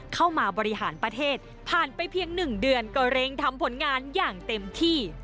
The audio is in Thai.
เข้ามาบริหารประเทศผ่านไปเพียง๑เดือนก็เร่งทำผลงานอย่างเต็มที่